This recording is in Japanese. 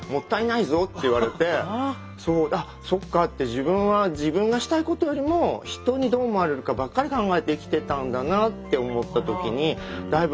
自分は自分がしたいことよりも人にどう思われるかばっかり考えて生きていたんだなって思った時にだいぶ